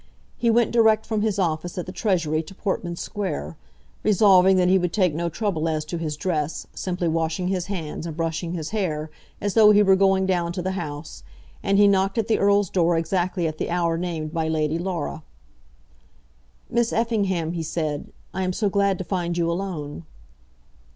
He went direct from his office at the Treasury to Portman Square, resolving that he would take no trouble as to his dress, simply washing his hands and brushing his hair as though he were going down to the House, and he knocked at the Earl's door exactly at the hour named by Lady Laura. "Miss Effingham," he said, "I am so glad to find you alone."